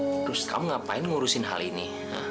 terus kamu ngapain ngurusin hal ini